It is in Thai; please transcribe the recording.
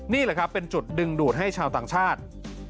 นี่แหละครับเป็นจุดดึงดูดให้ชาวต่างชาติ